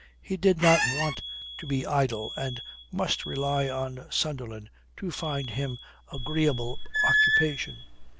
He did not want to be idle, and could rely on Sunderland to find him agreeable occupation.